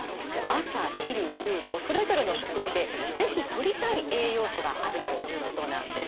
朝昼夕とそれぞれの食事で是非とりたい栄養素があるということなんです。